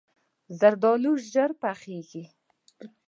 زردالو ژر پخیږي.